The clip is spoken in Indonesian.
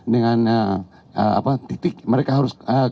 dan titik mereka harus